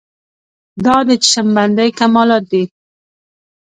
دا د چشم بندۍ کمالات دي.